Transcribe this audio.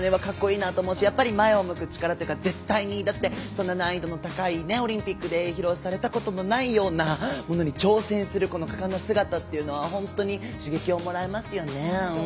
かっこいいなと思うし前を向く力というかそんな難易度の高いオリンピックで披露されたことのないようなものに挑戦する姿というのは本当に刺激をもらいますよね。